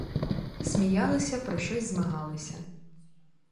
Сміялися, про щось змагалися.